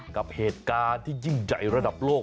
กับเหตุการณ์ที่ยิ่งใหญ่ระดับโลก